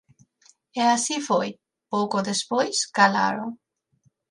E así foi: pouco despois, calaron.